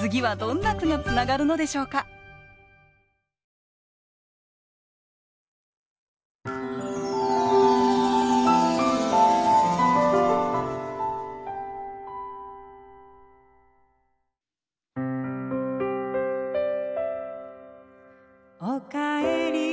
次はどんな句がつながるのでしょうかおかえり